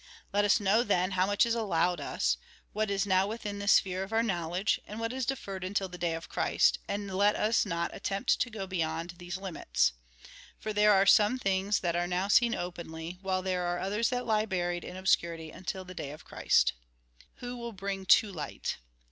Let us know, then, how much is allowed us, what is now within the sphere of our knowledge, and what is deferred until the day of Christ, and let us not attempt to go beyond these limits. For there are some things that are now seen openly, while there are others that lie buried in obscurity until the day of Christ. Who will bring to light.